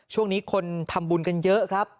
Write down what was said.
ช่วงนี้คนทำบุญกันเยอะครับ